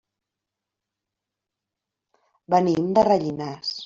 Venim de Rellinars.